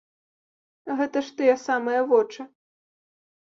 Гэта ж тыя самыя вочы.